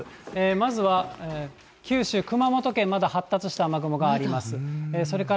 まずは、九州、熊本県、まだ発達した雨雲があります。